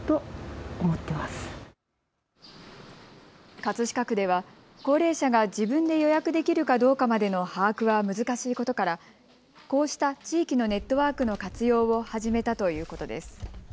葛飾区では高齢者が自分で予約できるかどうかまでの把握は難しいことからこうした地域のネットワークの活用を始めたということです。